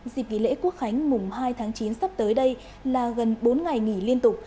dịp nghỉ lễ quốc khánh mùng hai tháng chín sắp tới đây là gần bốn ngày nghỉ liên tục